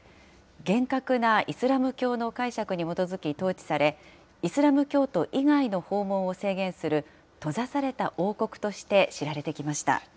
厳格なイスラム教の解釈に基づき統治され、イスラム教徒以外の訪問を制限する、閉ざされた王国として知られてきました。